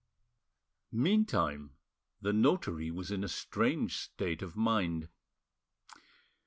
Meantime the notary was in a strange state of mind.